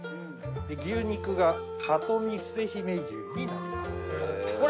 牛肉が里見伏姫牛になります。